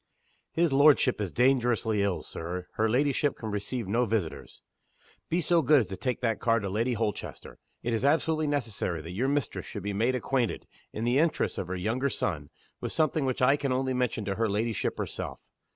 "HIS lordship is dangerously ill, Sir. Her ladyship can receive no visitors." "Be so good as to take that card to Lady Holchester. It is absolutely necessary that your mistress should be made acquainted in the interests of her younger son with something which I can only mention to her ladyship herself."